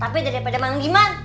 tapi daripada mana yang di mana